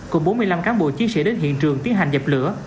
cùng bốn mươi năm cán bộ chiến sĩ đến hiện trường tiến hành dập lửa